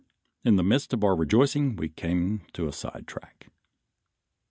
in the midst of our rejoicing we came to a sidetrack.